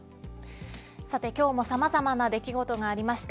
さて今日もさまざまな出来事がありました。